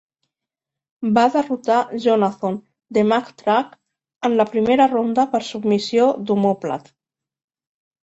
Va derrotar Jonathon "the Mack Truck" en la primera ronda per submissió d'omòplat.